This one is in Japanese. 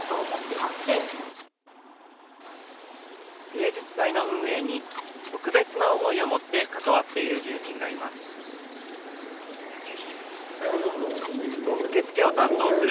芸術祭の運営に、特別な思いを持って関わっている住民がいます。